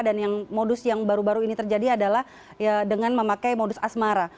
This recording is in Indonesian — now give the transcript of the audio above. dan yang modus yang baru baru ini terjadi adalah dengan memakai modus asmara